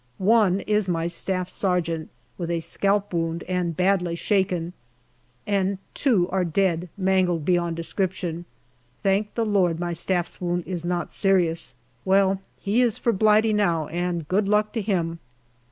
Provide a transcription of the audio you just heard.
One is my staff sergeant, with a scalp wound and badly shaken, and two are dead, mangled beyond description. Thank the Lord, my staff's wound is not serious. Well, he is for Blighty now, and good luck to him